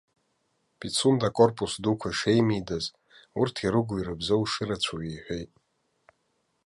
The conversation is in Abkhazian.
Пицунда акорпус дуқәа шеимидаз, урҭ ирыгу-ирыбзоу шырацәоу иҳәеит.